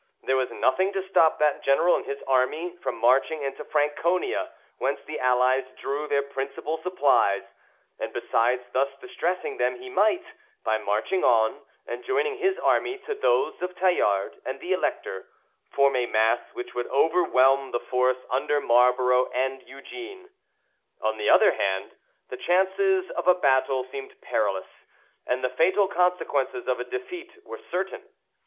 There was nothing to stop that general and his army from marching into Franconia, whence the Allies drew their principal supplies; and besides thus distressing them, he might, by marching on and joining his army to those of Tallard and the Elector, form a mass which would overwhelm the force under Marlborough and Eugene. On the other hand, the chances of a battle seemed perilous, and the fatal consequences of a defeat were certain.